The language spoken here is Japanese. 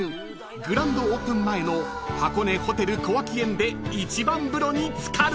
［グランドオープン前の箱根ホテル小涌園で一番風呂に漬かる］